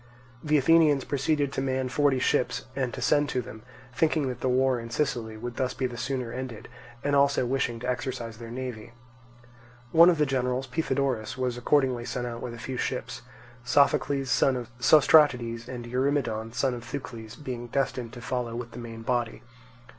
The Athenians proceeded to man forty ships to send to them, thinking that the war in Sicily would thus be the sooner ended, and also wishing to exercise their navy. One of the generals, Pythodorus, was accordingly sent out with a few ships; Sophocles, son of Sostratides, and Eurymedon, son of Thucles, being destined to follow with the main body.